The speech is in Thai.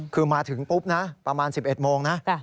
คือมาถึงปุ๊บนะประมาณ๑๑โมงนะ